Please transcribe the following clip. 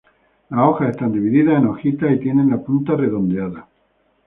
Las hojas están divididas en hojitas y tienen la punta redondeada.